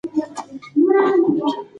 ما خپل بکس له پورتنۍ خانې څخه راکوز کړ.